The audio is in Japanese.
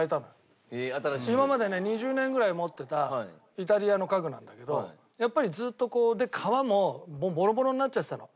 今までね２０年ぐらい持ってたイタリアの家具なんだけどやっぱりずーっとこうで革もボロボロになっちゃってたの。